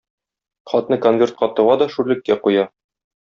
Хатны конвертка тыга да шүрлеккә куя.